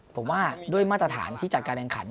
ผมว่าด้วยมาตรฐานที่จัดการแข่งขัน